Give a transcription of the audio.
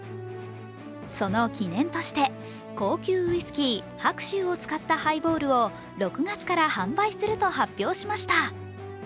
その記念として高級ウイスキー・白州を使ったハイボールを６月から販売すると発表しました。